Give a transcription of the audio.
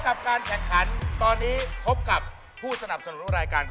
นี่ปลายไม่ผิดนี่มันปลายรองเท้าแง